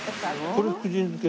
これ福神漬け？